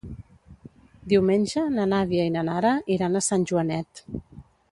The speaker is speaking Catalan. Diumenge na Nàdia i na Nara iran a Sant Joanet.